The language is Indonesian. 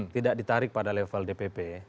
tidak ditarik pada level dpp